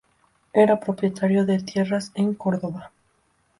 Era propietario de tierras en Córdoba.